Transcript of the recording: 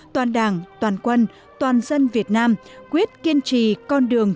toàn đảng toàn quân toàn dân việt nam quyết kiên trì con đường